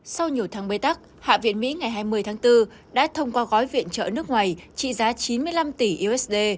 sau nhiều tháng bê tắc hạ viện mỹ ngày hai mươi tháng bốn đã thông qua gói viện trợ nước ngoài trị giá chín mươi năm tỷ usd